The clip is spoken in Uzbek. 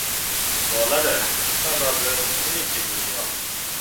Bolada! Sababi: uniki dunyo!